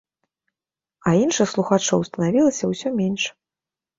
А іншых слухачоў станавілася ўсё мнеш.